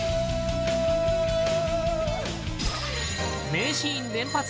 名シーン連発！